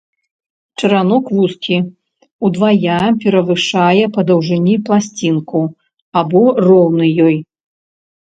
Чаранок вузкі, удвая перавышае па даўжыні пласцінку або роўны ёй.